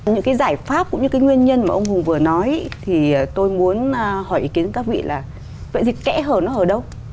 những cái giải pháp cũng như cái nguyên nhân mà ông hùng vừa nói thì tôi muốn hỏi ý kiến các vị là vậy thì kẽ hở nó ở đâu